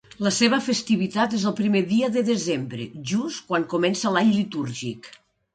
La seva festivitat és el primer dia de desembre, just quan comença l'any litúrgic.